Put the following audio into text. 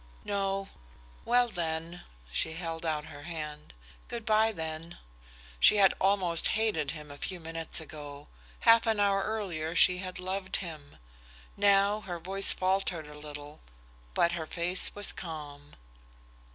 "No. Well then" she held out her hand "Good by, then." She had almost hated him a few minutes ago. Half an hour earlier she had loved him. Now her voice faltered a little, but her face was calm.